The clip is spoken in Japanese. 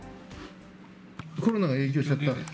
コロナが影響しちゃった。